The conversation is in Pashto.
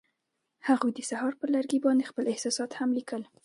هغوی د سهار پر لرګي باندې خپل احساسات هم لیکل.